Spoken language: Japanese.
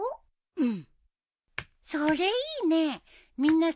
うん！